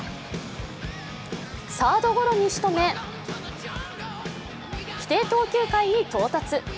サードゴロにしとめ、規定投球回に到達。